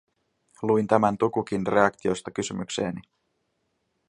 Luin tämän Tukukin reaktiosta kysymykseeni.